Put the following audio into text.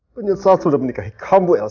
menyesal sudah menikahi kamu elsa